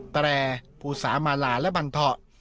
ตแรภูสามาราและบันเทาะ